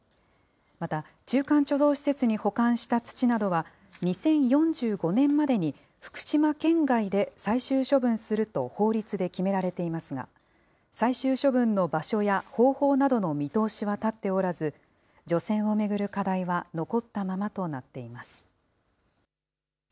また、中間貯蔵施設に保管した土などは、２０４５年までに福島県外で最終処分すると法律で決められていますが、最終処分の場所や方法などの見通しは立っておらず、除染を巡る課題は残ったままとなっています。